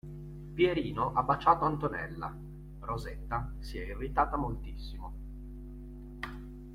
Pierino ha baciato Antonella, Rosetta si è irritata moltissimo.